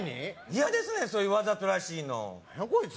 嫌ですねんそういうわざとらしいの何やこいつ？